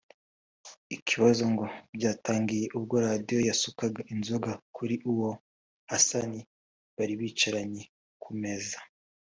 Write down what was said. Ibibazo ngo byatangiye ubwo Radio yasukaga inzoga kuri uwo Hassan bari bicaranye ku meza